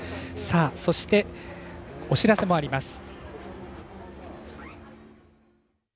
そして、お知らせもあります。